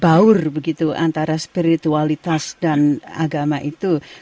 karena ada orang yang menganggap bahwa untuk spiritualitas itu fokusnya adalah kita melihat ke diri kita sendiri